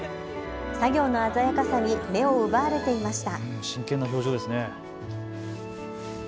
作業の鮮やかさに目を奪われていました。